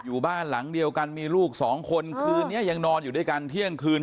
อยู่บ้านหลังเดียวกันมีลูกสองคนคืนนี้ยังนอนอยู่ด้วยกันเที่ยงคืน